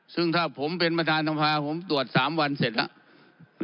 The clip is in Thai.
ซึ่งถ้าผมเป็นประธานสภาผมตรวจ๓วันเสร็จแล้ว